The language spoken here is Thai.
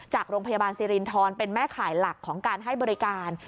จากโรงพยาบาลสิรินทรเป็นแม่ข่ายหลักของการให้บริการ